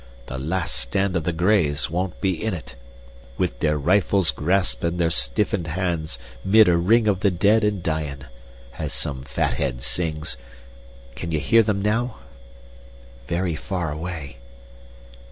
The 'Last Stand of the Grays' won't be in it. 'With their rifles grasped in their stiffened hands, mid a ring of the dead and dyin',' as some fathead sings. Can you hear them now?" "Very far away."